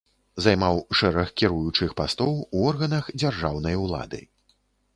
Займаў шэраг кіруючых пастоў ў органах дзяржаўнай улады.